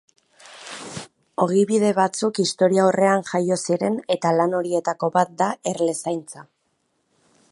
Ogibide batzuk historiaurrean jaio ziren eta lan horietako bat da erlezaintza.